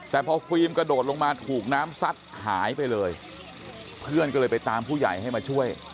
แต่พอฟิล์มกระโดดลงมาถูกน้ำซัดหายไปเลยเพื่อนก็เลยไปตามผู้ใหญ่ให้มาช่วย